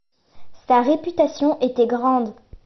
Sa réputation était grande.